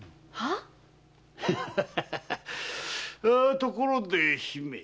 あところで姫。